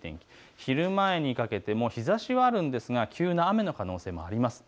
昼前にかけても日ざしがあるんですが急な雨の可能性もあります。